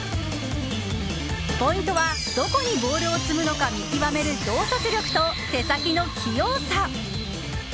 ポイントは、どこにボールを積むのか見極める洞察力と手先の器用さ。